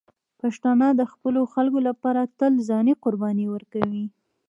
پښتانه د خپلو خلکو لپاره تل ځاني قرباني ورکوي.